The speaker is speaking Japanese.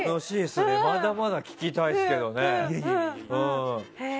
まだまだ聞きたいですけどね。